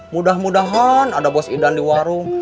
mudah mudahan ada bos idan di warung